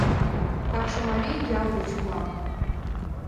Какшамарий ял гыч улам.